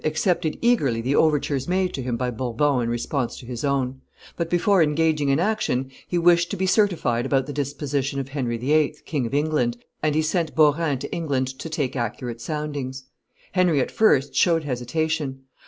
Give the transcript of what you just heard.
accepted eagerly the overtures made to him by Bourbon in response to his own; but, before engaging in action, he wished to be certified about the disposition of Henry VIII., King of England, and he sent Beaurain to England to take accurate soundings. Henry at first showed hesitation.